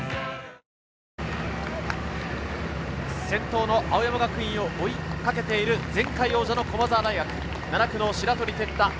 先頭の青山学院を追いかけている前回王者の駒澤大学、７区の白鳥哲汰